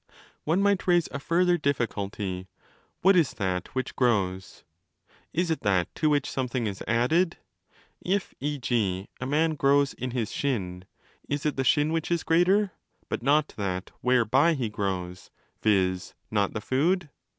. One might raise a further difficulty. What is ' that which 30 grows ? Is it that to which something is added? If, e.g.,, a man grows in his shin, is it the shin which is greater ?— but not that 'whereby' he grows, viz. not the food?